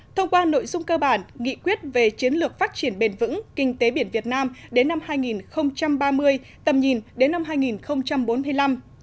thông qua nội dung cơ bản nghị quyết về chiến lược phát triển bền vững kinh tế biển việt nam đến năm hai nghìn ba mươi tầm nhìn đến năm hai nghìn bốn mươi năm